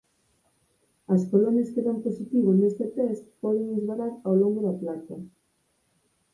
As colonias que dan positivo neste test poden esvarar ao longo da placa.